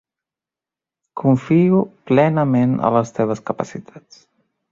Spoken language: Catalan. Confio plenament en les teves capacitats.